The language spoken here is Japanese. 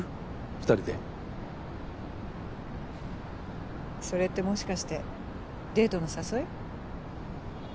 二人でそれってもしかしてデートの誘い？